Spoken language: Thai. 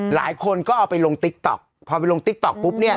หลายคนก็เอาไปลงติ๊กต๊อกพอไปลงติ๊กต๊อกปุ๊บเนี่ย